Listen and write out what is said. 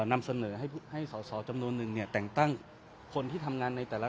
นำเสนอให้สอสอจำนวนนึงเนี่ยแต่งตั้งคนที่ทำงานในแต่ละ